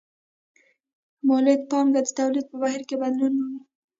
مولده پانګه د تولید په بهیر کې بدلون مومي